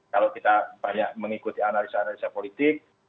kalau kita banyak mengikuti analisa analisa politik